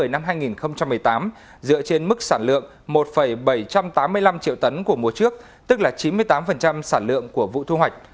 năm hai nghìn một mươi tám dựa trên mức sản lượng một bảy trăm tám mươi năm triệu tấn của mùa trước tức là chín mươi tám sản lượng của vụ thu hoạch